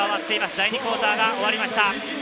第２クオーターが終わりました。